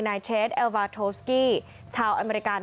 นายเชดเอลวาโทษกีชาวอเมริกัน